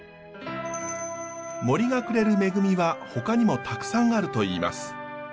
森がくれる恵みはほかにもたくさんあるといいます。